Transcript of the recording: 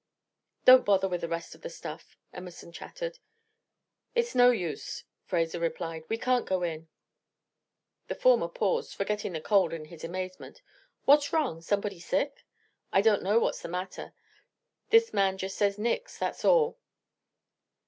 "Don't bother with the rest of the stuff," Emerson chattered. "It's no use," Fraser replied; "we can't go in." The former paused, forgetting the cold in his amazement. "What's wrong? Somebody sick?" "I don't know what's the matter. This man just says 'nix,' that's all."